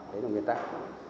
đấy là nguyên tắc